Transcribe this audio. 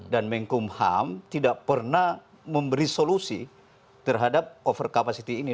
dan mengkumham tidak pernah memberi solusi terhadap over capacity ini